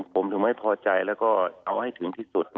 ผมถึงไม่พอใจแล้วก็เอาให้ถึงที่สุด